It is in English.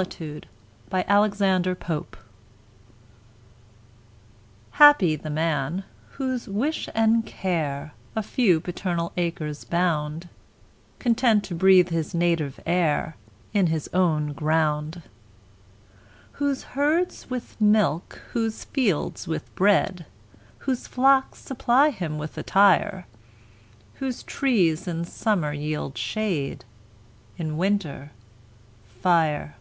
U V . W X . Y Z Solitude HAPPY the man, whose wish and care A few paternal acres bound, Content to breathe his native air In his own ground. Whose herds with milk, whose fields with bread, Whose flocks supply him with attire; Whose trees in summer yield shade, In winter, fire.